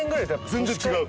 全然違う？